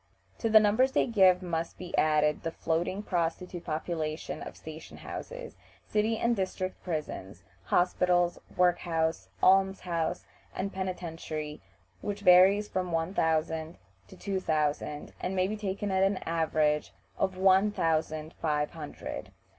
To the numbers they give must be added the floating prostitute population of station houses, city and district prisons, hospitals, work house, alms house, and penitentiary, which varies from one thousand to two thousand, and may be taken at an average of one thousand five hundred.